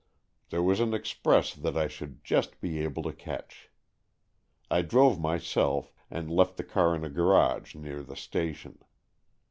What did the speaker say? There was an express that I should just be able to catch. I drove my self, and left the car in a garage near the station.